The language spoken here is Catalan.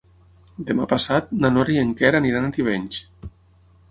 Demà passat na Nora i en Quer aniran a Tivenys.